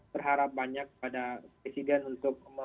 berharap banyak pada presiden untuk